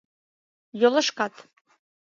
Йолешкат